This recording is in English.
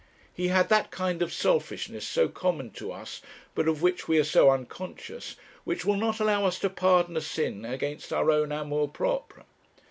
He had that kind of selfishness so common to us, but of which we are so unconscious, which will not allow us to pardon a sin against our own amour propre.